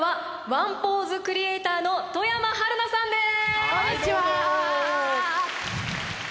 ワンポーズクリエイター外山晴菜です！